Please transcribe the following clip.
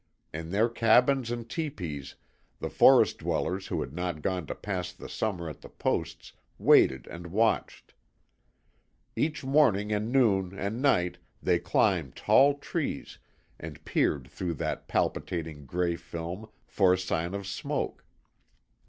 In their cabins and teepees the forest dwellers who had not gone to pass the summer at the posts waited and watched; each morning and noon and night they climbed tall trees and peered through that palpitating gray film for a sign of smoke.